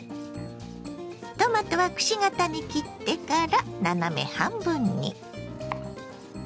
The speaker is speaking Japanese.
トマトはくし形に切ってから斜め半分に。